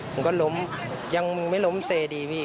ผมก็ล้มยังไม่ล้มเซดีพี่